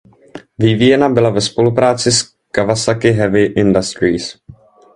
Vyvíjena byla ve spolupráci s Kawasaki Heavy Industries.